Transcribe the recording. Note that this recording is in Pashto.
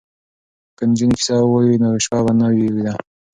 که نجونې کیسه ووايي نو شپه به نه وي اوږده.